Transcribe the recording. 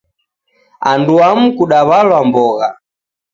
Anduamu kudaw'alwa mbogha